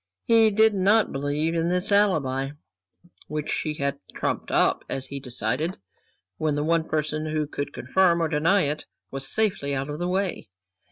He did not believe in this alibi, which she had trumped up, as he decided, when the one person who could confirm or deny it was safely out of the way.